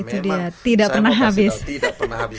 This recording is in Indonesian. memang tidak pernah habis